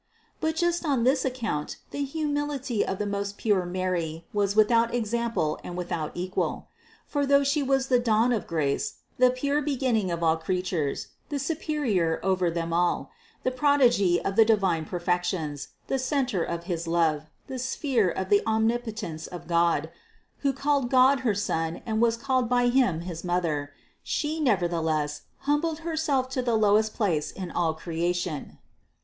593. But just on this account the humility of the most pure Mary was without example and without equal. For though She was the dawn of grace, the pure beginning of all creatures, the superior over them all, the prodigy of the divine perfections, the centre of his love, the sphere of the omnipotence of God, who called God her Son and was called by Him his Mother, She nevertheless humbled Her self to the lowest place in all creation.